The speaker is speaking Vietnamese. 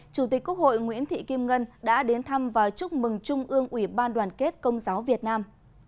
chủ tịch quốc hội nguyễn thị kim ngân đã đến thăm và chúc mừng trung ương ủy ban đoàn kết công giáo việt nam